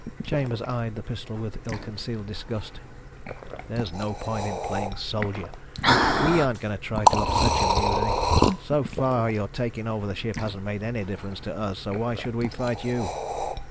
Chambers eyed the pistol with ill concealed disgust. "There's no point in playing soldier. We aren't going to try to upset your mutiny. So far your taking over the ship hasn't made any difference to us ... so why should we fight you?"